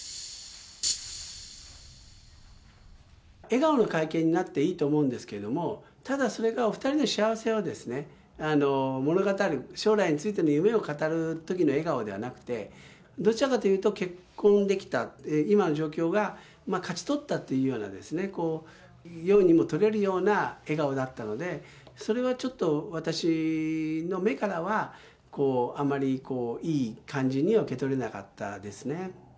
笑顔の会見になっていいと思うんですけれども、ただそれがお２人の幸せを物語る、将来についての夢を語るときの笑顔ではなくて、どちらかというと、結婚できた、今の状況が、勝ち取ったっていうような、にも取れるような笑顔だったので、それはちょっと私の目からは、あんまりいい感じには受け取れなかったですね。